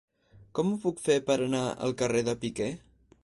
Com ho puc fer per anar al carrer de Piquer?